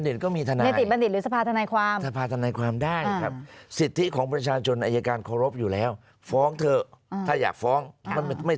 เรียกสภาษณภาความ